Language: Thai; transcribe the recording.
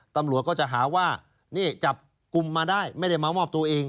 ตำรวจก็จะหาว่านี่จับกลุ่มมาได้ไม่ได้มามอบตัวเอง